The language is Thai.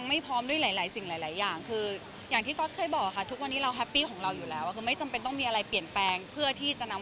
ไม่ได้ซีเรียสไม่ได้ซีเรียส